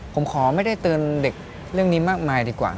ผมขอไม่ได้เตือนเด็กเรื่องนี้มากมายดีกว่า